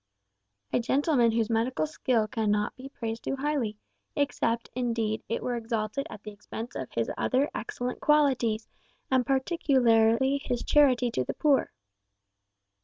"A gentleman whose medical skill cannot be praised too highly, except, indeed, it were exalted at the expense of his other excellent qualities, and particularly his charity to the poor."